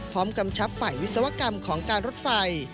พร้อมกำชับไฟวิศวกรรมของการรถไฟ